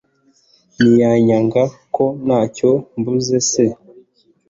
ntiyanyaga ko ntacyo mbuze se